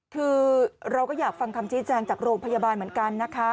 คือเราก็อยากฟังคำชี้แจงจากโรงพยาบาลเหมือนกันนะคะ